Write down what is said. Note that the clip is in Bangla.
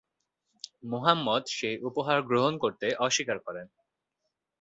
মুহাম্মদ সেই উপহার গ্রহণ করতে অস্বীকার করেন।